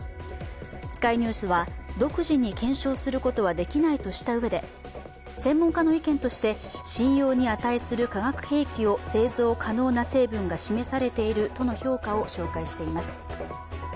スカイニュースは独自に検証することはできないとしたうえで信用に値する化学兵器を製造可能な成分が示されているとの評価を紹介しています。